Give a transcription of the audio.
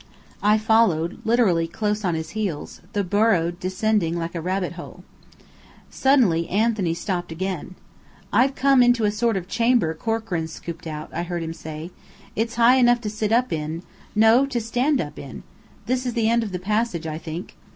I followed, literally close on his heels, the burrow descending like a rabbit hole. Suddenly Anthony stopped again. "I've come into a sort of chamber Corkran's scooped out," I heard him say. "It's high enough to sit up in no, to stand up in. This is the end of the passage, I think.